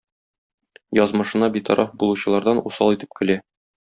Язмышына битараф булучылардан усал итеп көлә.